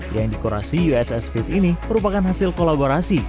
yang dikorasi uss feet ini merupakan hasil kolaborasi